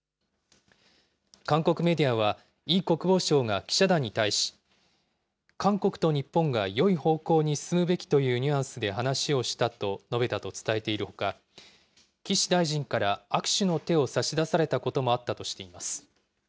韓国メディアは、イ国防相が記者団に対し、韓国と日本がよい方向に進むべきというニュアンスで話をしたと述べたと伝えているほか、岸大臣から握手の手を差し出されたこともあったとしています。